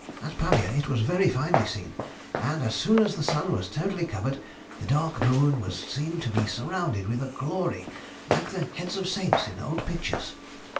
At Pavia it was very finely seen, and as soon as the sun was totally covered, the dark moon was seen to be surrounded with a glory, like the heads of saints in old pictures.